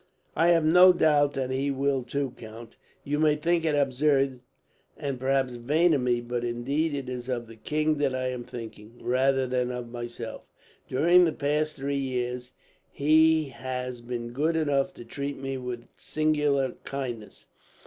"I have no doubt that he will, too, count. You may think it absurd, and perhaps vain of me; but indeed it is of the king that I am thinking, rather than of myself. During the past three years he has been good enough to treat me with singular kindness.